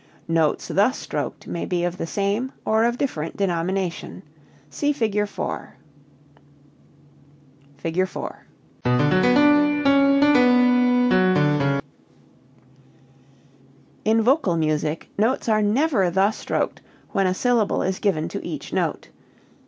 Notes thus stroked may be of the same or of different denomination. See Fig. 4. [Illustration: Fig. 4.] In vocal music notes are never thus stroked when a syllable is given to each note.